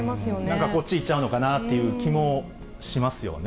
なんかこっち行っちゃうのかなっていう気もしますよね。